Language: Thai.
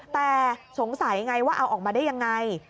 แต่สงสัยไงว่าเอาออกมาได้ยังไง